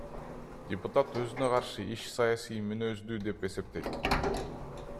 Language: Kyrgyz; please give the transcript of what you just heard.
Депутат өзүнө каршы иш саясий мүнөздүү деп эсептейт.